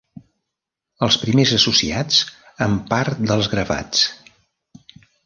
Els primers associats amb part dels gravats.